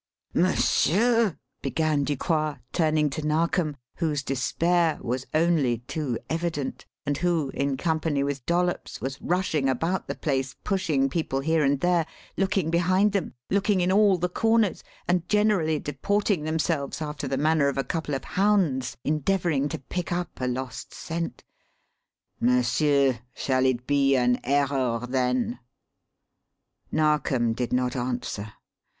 "M'sieur!" began Ducroix, turning to Narkom, whose despair was only too evident, and who, in company with Dollops, was rushing about the place pushing people here and there, looking behind them, looking in all the corners, and generally deporting themselves after the manner of a couple of hounds endeavouring to pick up a lost scent. "M'sieur, shall it be an error, then?" Narkom did not answer.